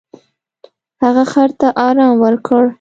هغه خر ته ارام ورکړ.